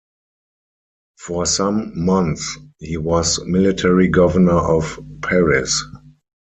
For some months he was military governor of Paris.